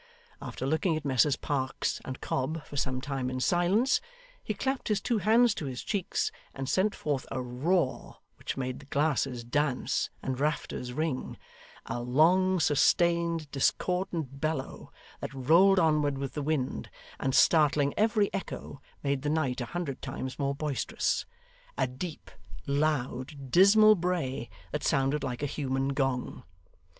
After looking at Messrs Parkes and Cobb for some time in silence, he clapped his two hands to his cheeks, and sent forth a roar which made the glasses dance and rafters ring a long sustained, discordant bellow, that rolled onward with the wind, and startling every echo, made the night a hundred times more boisterous a deep, loud, dismal bray, that sounded like a human gong.